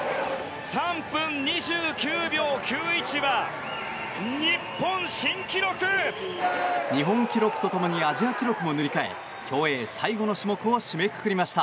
３分２９秒９１は日本新記録！日本記録とともにアジア記録も塗り替え競泳最後の種目を締めくくりました。